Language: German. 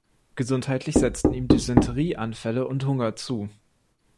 Gesundheitlich setzten ihm Dysenterie-Anfälle und Hunger zu.